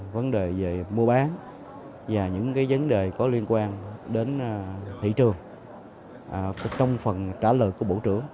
và những vấn đề có liên quan đến thị trường trong phần trả lời của bộ trưởng